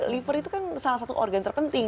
liver itu kan salah satu organ terpenting